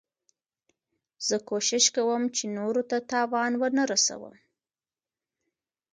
زه کوشش کوم، چي نورو ته تاوان و نه رسوم.